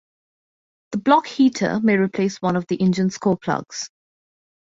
The block heater may replace one of the engine's core plugs.